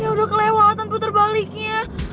ya udah kelewatan puter baliknya